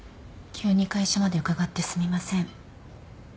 急に会社まで伺ってすみません。